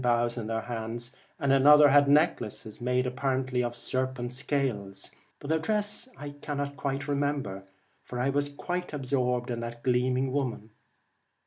93 The boughs in their hands, and another had Twilight, necklaces made apparently of serpents' scales, but their dress I cannot remember, for I was quite absorbed in that gleaming woman.